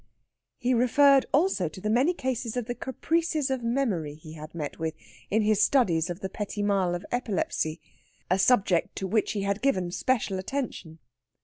He referred also to the many cases of the caprices of memory he had met with in his studies of the petit mal of epilepsy, a subject to which he had given special attention.